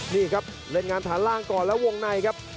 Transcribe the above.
นี่ครับเล่นงานฐานล่างก่อนแล้ววงในครับ